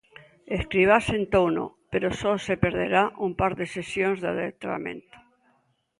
Escribá sentouno pero só se perderá un par de sesións de adestramento.